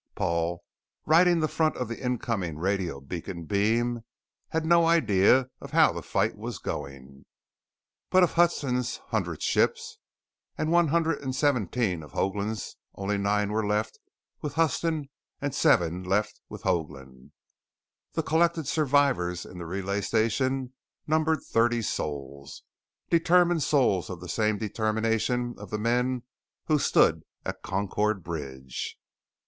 Paul, riding the front of the incoming radio beacon beam, had no idea of how the fight was going. But of Huston's hundred ships and one hundred and seventeen of Hoagland's only nine were left with Huston and seven left with Hoagland. The collected survivors in the relay station numbered thirty souls determined souls of the same determination of the men who stood at Concord Bridge.